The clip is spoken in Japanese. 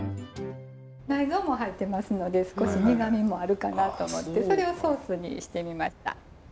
内臓も入ってますので少し苦味もあるかなと思ってそれをソースにしてみました。